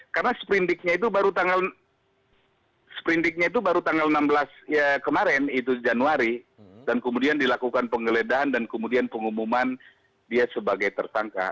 karena sprintdictnya itu baru tanggal enam belas ya kemarin itu januari dan kemudian dilakukan penggeledahan dan kemudian pengumuman dia sebagai tertangka